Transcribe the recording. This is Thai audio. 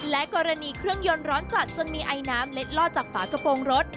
และกรณีเครื่องยนต์ร้อนจัดจนมีไอน้ำเล็ดลอดจากฝากระโปรงรถ